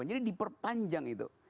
jadi diperpanjang itu